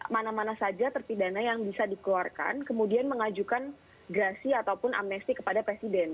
mana mana saja terpidana yang bisa dikeluarkan kemudian mengajukan grasi ataupun amnesti kepada presiden